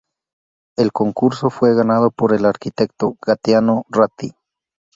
El concurso fue ganado por el arquitecto Gaetano Ratti.